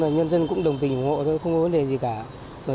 nhân dân cũng đồng tình ủng hộ thôi không có vấn đề gì cả